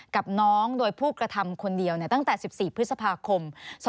กับน้องโดยผู้กระทำคนเดียวตั้งแต่๑๔พฤษภาคม๒๕๖